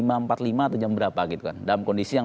atau jam berapa gitu kan dalam kondisi yang